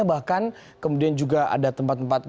bahkan kemudian juga ada tempat tempat